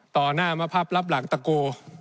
ตอนหน้ามภาพลับหลังตะโก